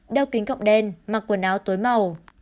đeo kính cọng đen mặc quần áo tối màu